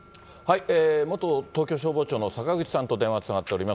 元東京消防庁の坂口さんと電話がつながっております。